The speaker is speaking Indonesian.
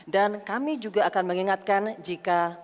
dan kami juga akan mengingatkan jika waktunya